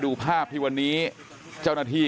กลุ่มตัวเชียงใหม่